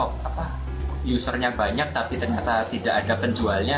karena usernya banyak tapi ternyata tidak ada penjualnya